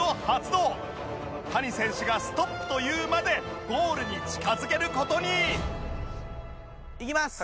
谷選手がストップと言うまでゴールに近づける事に